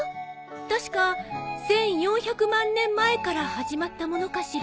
確か１，４００万年前から始まったものかしら？